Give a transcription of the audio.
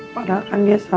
padahal kan dia selalu